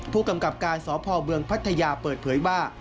ผู้กำกับการสพเมืองพัทยาเปิดเผยว่า